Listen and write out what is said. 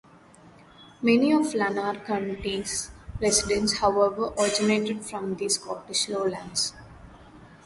Many of Lanark County's residents, however, originated from the Scottish Lowlands.